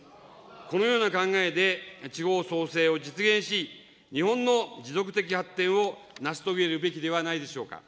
このような考えで地方創生を実現し、日本の持続的発展を成し遂げるべきではないでしょうか。